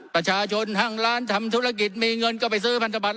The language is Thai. ประชาชนห้างล้านทำธุรกิจมีเงินก็ไปซื้อพันธบัตร